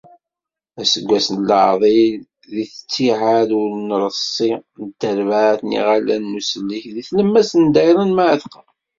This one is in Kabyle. Aseggas n leεḍil deg ttiεad n ureṣṣi n terbaεt n yiɣallen n usellek deg tlemmast n dayra n Mεatqa.